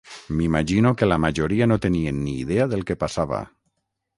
M'imagino que la majoria no tenien ni idea del que passava